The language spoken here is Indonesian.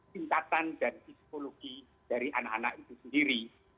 tingkatan dan psikologi dari anak anak itu sendiri